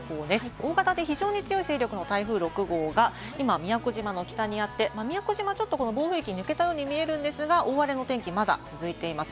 大型で非常に強い勢力の台風６号が今、宮古島の北にあって、宮古島ちょっと暴風域を抜けたように見えるんですが大荒れの天気がまだ続いています。